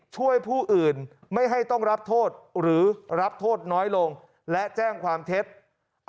ผู้อื่นไม่ให้ต้องรับโทษหรือรับโทษน้อยลงและแจ้งความเท็จ